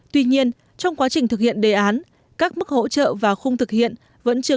tuy nhiên trong quá trình thực hiện đề án các mức hỗ trợ và khung thực hiện vẫn chưa